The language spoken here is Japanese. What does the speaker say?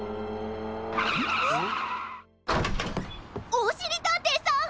おしりたんていさん！